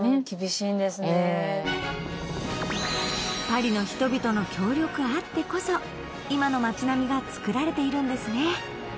パリの人々の協力あってこそ今の街並みがつくられているんですね